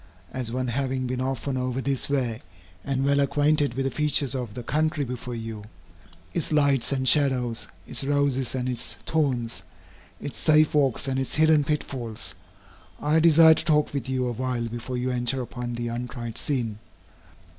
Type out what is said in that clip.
As one having been often over this way, and well acquainted with the features of the country before you, its lights and shadows, its roses and its thorns, its safe walks and its hidden pitfalls, I desire to talk with you a while before you enter upon the untried scene.